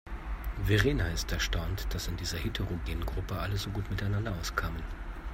Verena ist erstaunt, dass in dieser heterogenen Gruppe alle so gut miteinander auskamen.